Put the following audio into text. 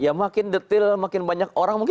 ya makin detail makin banyak orang mungkin